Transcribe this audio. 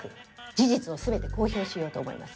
事実を全て公表しようと思います